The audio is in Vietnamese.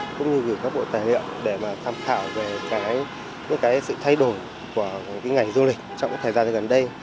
cũng như gửi các bộ tài liệu để mà tham khảo về cái sự thay đổi của ngành du lịch trong thời gian gần đây